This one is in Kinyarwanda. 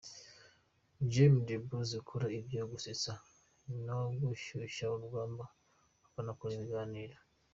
Jamel Debbouze akora ibyo gusetsa no gushyusha urugamba akanakora ibiganiro.